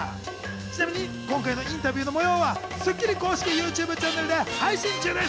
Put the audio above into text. ちなみに今回のインタビューの模様は『スッキリ』公式ＹｏｕＴｕｂｅチャンネルで配信中です。